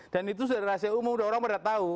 dan itu sudah rahasia umum orang orang sudah tahu